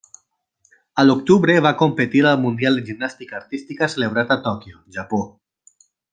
A l'octubre va competir al mundial de gimnàstica artística celebrat a Tòquio, Japó.